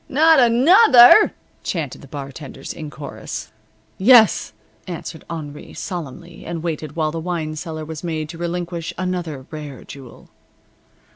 "Not another!" chanted the bartenders, in chorus. "Yes," answered Henri, solemnly, and waited while the wine cellar was made to relinquish another rare jewel.